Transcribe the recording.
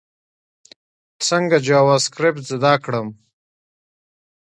څنګه جاواسکريپټ زده کړم؟